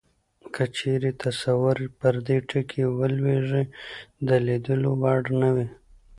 که چیرې تصویر پر دې ټکي ولویږي د لیدلو وړ نه وي.